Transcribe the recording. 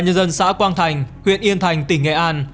nhân dân xã quang thành huyện yên thành tỉnh nghệ an